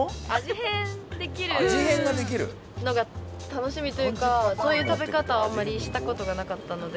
変できるのが楽しみというかそういう食べ方あまりした事がなかったので。